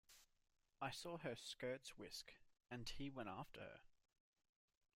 I saw her skirts whisk, and he went after her.